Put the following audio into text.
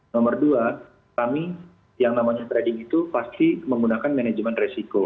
nomor dua kami yang namanya trading itu pasti menggunakan manajemen resiko